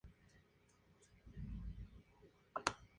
Está abierto a un patio central y cuenta con un piso superior.